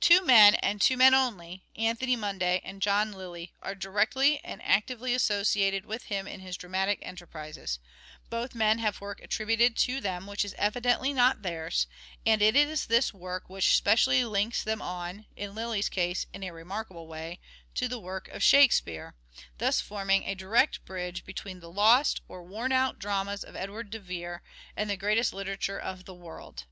Two men, and two men only, Anthony Munday and John Lyly, are directly and actively associated with him in his dramatic enterprises. Both men have work attributed to them which is evidently not theirs, and it is this work which specially links them on — in Lyly's case in a remarkable way — to the work of " Shakespeare," 22 338 " SHAKESPEARE " IDENTIFIED Apparent inactivity. Spenser and De Vere. thus forming a direct bridge between the " lost or worn out " dramas of Edward de Vere and " the greatest literature of the world."